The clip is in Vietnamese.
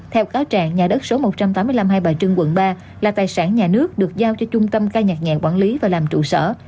theo cáo trạng nhà đất số một trăm tám mươi năm hai bà trưng quận ba là tài sản nhà nước được giao cho trung tâm ca nhạc nhẹn quản lý và làm trụ sở